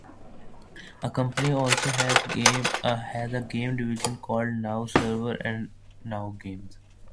The Company also has a game division called "Now Servers" and "Now Games".